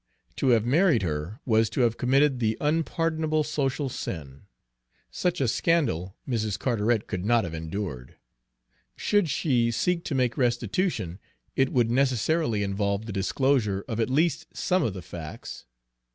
To have married her was to have committed the unpardonable social sin. Such a scandal Mrs. Carteret could not have endured. Should she seek to make restitution, it would necessarily involve the disclosure of at least some of the facts.